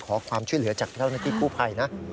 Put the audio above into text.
ขอความช่วยเหลือจากเจ้าหน้าที่กู้ภัยนะ